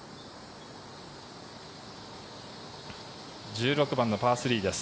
１６番のパー３です。